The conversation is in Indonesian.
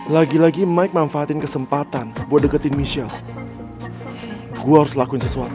lagi lagi mike manfaatin kesempatan gue deketin michelle gue harus lakuin sesuatu